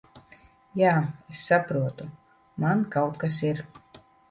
Jā, es saprotu. Man kaut kas ir...